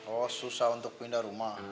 oh susah untuk pindah rumah